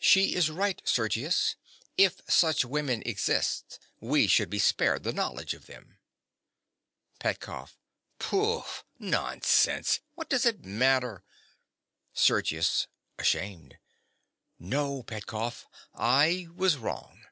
She is right, Sergius. If such women exist, we should be spared the knowledge of them. PETKOFF. Pooh! nonsense! what does it matter? SERGIUS. (ashamed). No, Petkoff: I was wrong.